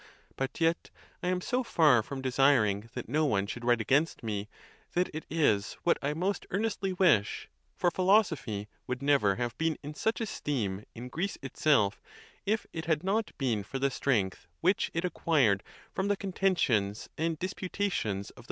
But yet I am so far from desiring that no one should write against me, that it is what I most earnestly wish; for philosophy would never have been in such esteem in Greece itself, if it had not been for the strength which it acquired from the contentions and disputations of the — 6G THE TUSCULAN DISPUTATIONS.